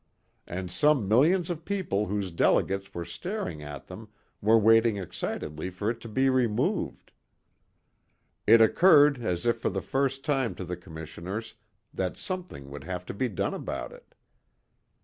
And some millions of people whose delegates were staring at them were waiting excitedly for it to be removed. It occurred as if for the first time to the commissioners that something would have to be done about it.